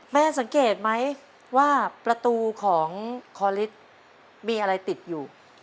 แม่สังเกตไหมว่าประตูของคอลิสมีอะไรติดอยู่